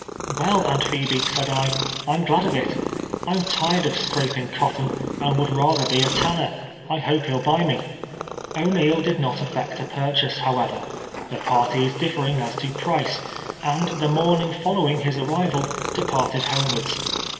" "Well, Aunt Phebe," said I, " Fm glad of it. Pm tired of scraping cotton, and would rather be a tanner. I hope he'll buy me." O'Niel did not effect a purchase, however, the par ties differing as to price, and the morning following his arrival, dej^arted homewards.